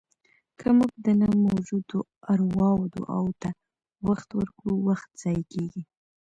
که موږ د نه موجودو ارواوو دعاوو ته وخت ورکړو، وخت ضایع کېږي.